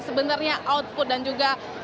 sebenarnya output dan juga